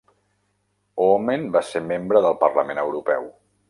Oomen va ser membre del Parlament Europeu.